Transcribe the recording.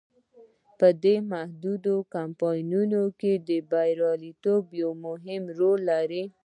په دې محدودو کمپاینونو کې بریالیتوب ډیر مهم رول لري.